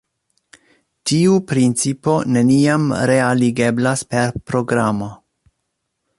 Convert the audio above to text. Tiu principo neniam realigeblas per programo.